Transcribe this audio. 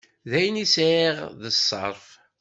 D ayen i sɛiɣ d ṣṣerf.